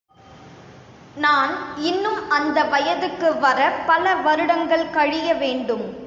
நான் இன்னும் அந்த வயதுக்கு வரப் பல வருடங்கள் கழிய வேண்டும்.